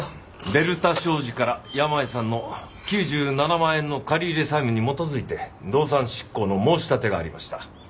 デルタ商事から山家さんの９７万円の借入債務に基づいて動産執行の申し立てがありました。